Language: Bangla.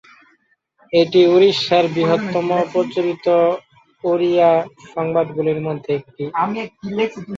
এটি উড়িষ্যার বৃহত্তম প্রচারিত ওড়িয়া সংবাদপত্রগুলির মধ্যে একটি।